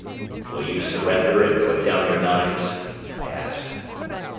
"Will you surrender and put down your knives?" I asked.